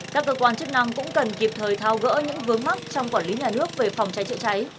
các cơ quan chức năng cũng cần kịp thời thao gỡ những vướng mắt trong quản lý nhà nước về phòng cháy chữa cháy